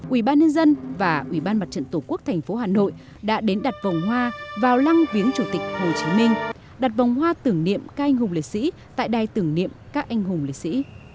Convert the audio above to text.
ubnd và ubnd tổ quốc thành phố hà nội đã đến đặt vòng hoa vào lăng viếng chủ tịch hồ chí minh đặt vòng hoa tưởng niệm các anh hùng lịch sĩ tại đài tưởng niệm các anh hùng lịch sĩ